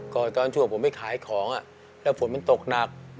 ก็ตอนช่วงผมไปขายของแล้วฝนมันตกหนัก